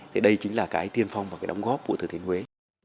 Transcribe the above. thì đây chính là cái tiên phong và cái đóng góp của thừa thiên huế